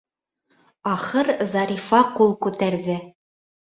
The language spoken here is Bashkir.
Ахыр Зарифа ҡул күтәрҙе.